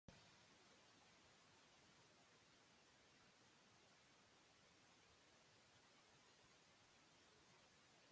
দক্ষিণপন্থীরা অনেক ঘোড়াসহ স্কিডির অধিকাংশ সম্পত্তি দখল করে নেয়।